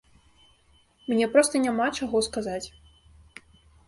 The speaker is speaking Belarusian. Мне проста няма чаго сказаць.